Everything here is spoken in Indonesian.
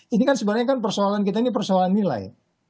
ini kan sebenarnya kan persoalan kita ini persoalan nilai